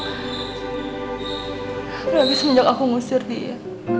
habis semenjak aku ngusir dia